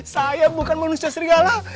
saya bukan manusia serigala